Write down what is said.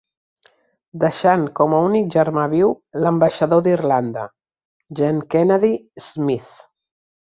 Deixant com a únic germà viu l'ambaixador d'Irlanda, Jean Kennedy Smith.